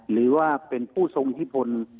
หรือว่าเป็นผู้ทรงอิทธิพล